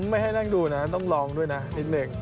ไม่ให้นั่งดูนะต้องลองด้วยนะนิดนึง